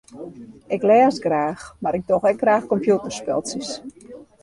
Ik lês graach mar ik doch ek graach kompjûterspultsjes.